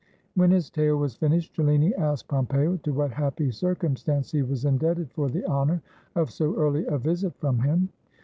When his tale was finished, Cellini asked Pompeo to what happy circumstance he was indebted for the honor of so early a visit from him.